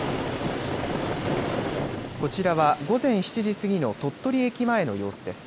こちらは午前７時過ぎの鳥取駅前の様子です。